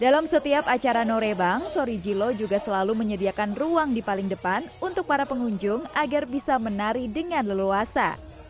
dalam setiap acara norebang sori jilo juga selalu menyediakan ruang di paling depan untuk para pengunjung agar bisa menari dengan leluasa